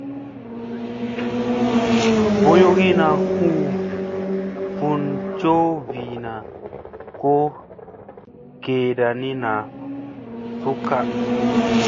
Boyogina huu fun coo vina ko geeda na su ka.